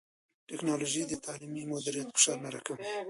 ټیکنالوژي د تعلیمي مدیریت فشارونه راکموي.